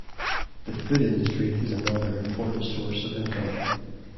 The food industry is another important source of income.